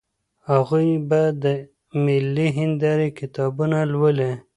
هغوی به د ملي هندارې کتابونه لولي.